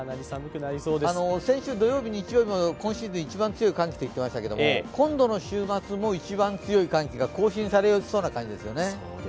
先週土曜日、日曜日も今シーズン一番強い寒気と言っていましたけど、今度の週末も一番強い寒気が更新されそうな感じですよね。